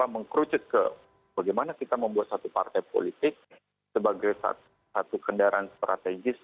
mengkerucut ke bagaimana kita membuat satu partai politik sebagai satu kendaraan strategis